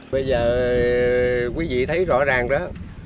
bây giờ quý vị thấy rõ ràng đó